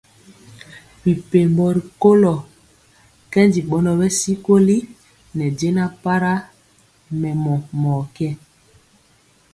Mɛpembo rikolo kɛndi bɔnɔ bɛ sikoli ne jɛna para mɛmɔ mɔ ké.